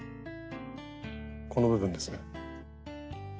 この部分ですね。